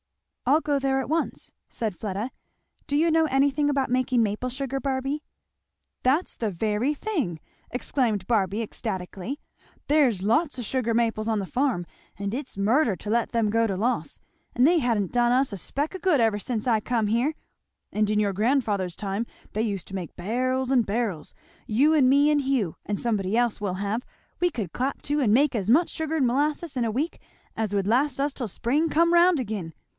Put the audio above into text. "I'll go there at once," said Fleda. "Do you know anything about making maple sugar, Barby?" "That's the very thing!" exclaimed Barby ecstatically. "There's lots o' sugar maples on the farm and it's murder to let them go to loss; and they ha'n't done us a speck o' good ever since I come here. And in your grandfather's time they used to make barrels and barrels. You and me and Hugh, and somebody else we'll have, we could clap to and make as much sugar and molasses in a week as would last us till spring come round again.